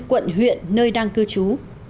quận huyện nơi đang cư trú